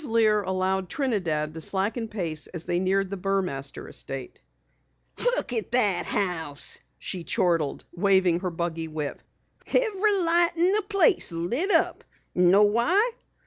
Lear allowed Trinidad to slacken pace as they neared the Burmaster estate. "Look at that house!" she chortled, waving her buggy whip. "Every light in the place lit up! Know why?